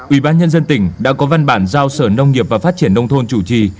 ủy ban nhân dân tỉnh đã có văn bản giao sở nông nghiệp và phát triển nông thôn chủ trì